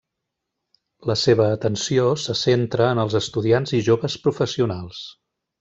La seva atenció se centra en els estudiants i joves professionals.